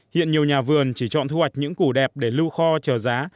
hiện nhiều nhà vườn chỉ chọn thu hoạch những củ đẹp để lưu kho chờ giá